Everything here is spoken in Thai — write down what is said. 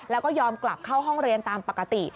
แล้วก็ยอมกลับเข้าห้องเรียนตามปกติ